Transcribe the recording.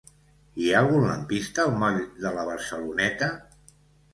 Hi ha algun lampista al moll de la Barceloneta?